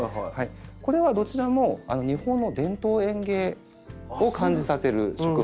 これはどちらも日本の伝統園芸を感じさせる植物なんですね。